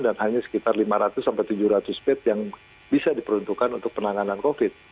dan hanya sekitar lima ratus tujuh ratus bed yang bisa diperuntukkan untuk penanganan covid